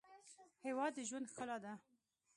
هېواد د ژوند ښکلا ده.